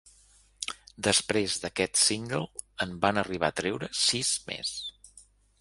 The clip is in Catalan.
Després d'aquest single en van arribar a treure sis més.